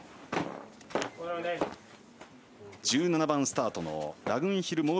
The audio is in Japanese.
１７番スタートのラグンヒル